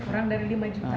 kurang dari lima juta